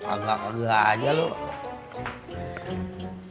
agak agak aja loh